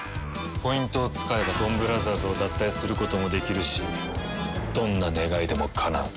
ポイントを使えばドンブラザーズを脱退することもできるしどんな願いでもかなう。